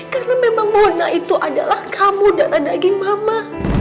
karena memang mona itu adalah kamu darah daging mama